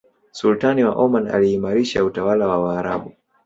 sultan wa oman aliimarisha utawala wa waarabu